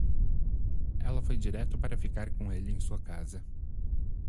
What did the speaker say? Ela foi direto para ficar com ele em sua casa.